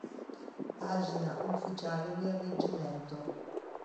Pagina ufficiale del Reggimento